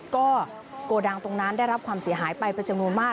ก็โกดังตรงนั้นได้รับความเสียหายไปเป็นจำนวนมาก